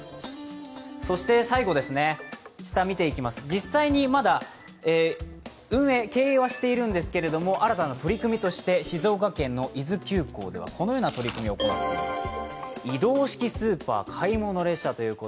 実際にまだ、運営、経営はしているんですけど新たな取り組みとして静岡県の伊豆急行ではこのような取り組みを行っています。